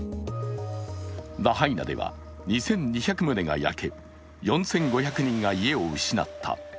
ラハイナでは２２００棟が焼け４５００人が家を失った。